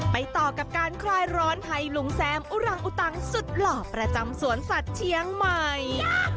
ไปต่อกับการคลายร้อนให้ลุงแซมอุรังอุตังสุดหล่อประจำสวนสัตว์เชียงใหม่